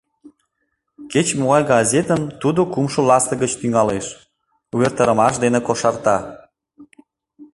Кеч-могай газетым тудо кумшо ластык гыч тӱҥалеш, увертарымаш дене кошарта.